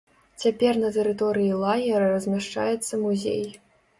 Цяпер на тэрыторыі лагера размяшчаецца музей.